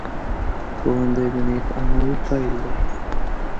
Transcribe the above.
ښوونځی د نیک عمل پيل دی